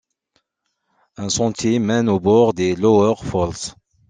Un sentier mène au bord des Lower Falls.